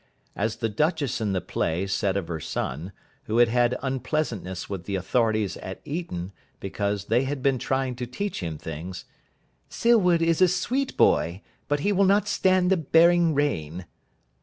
As the Duchess in the play said of her son, who had had unpleasantness with the authorities at Eton because they had been trying to teach him things, "Silwood is a sweet boy, but he will not stand the bearing rein".